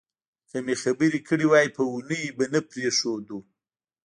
که مې خبر کړي وای په اوونیو به نه پرېښودو.